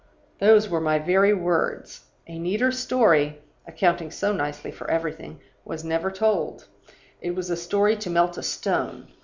Those were my very words. A neater story (accounting so nicely for everything) was never told; it was a story to melt a stone.